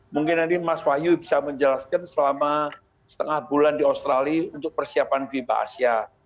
mungkin nanti mas wahyu bisa menjelaskan selama setengah bulan di australia untuk persiapan fiba asia